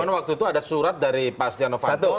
cuma waktu itu ada surat dari pak asliano fanto